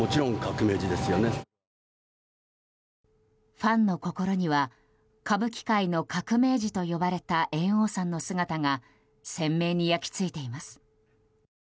ファンの心には歌舞伎界の革命児と呼ばれた猿翁さんの姿が鮮明に焼き付いています。